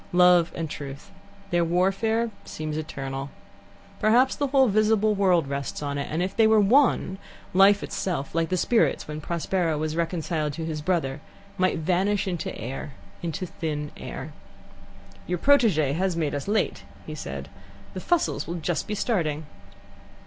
Love and Truth their warfare seems eternal. Perhaps the whole visible world rests on it, and if they were one, life itself, like the spirits when Prospero was reconciled to his brother, might vanish into air, into thin air. "Your protege has made us late," said he. "The Fussells will just be starting."